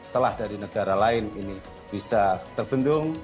celah dari negara lain ini bisa terbendung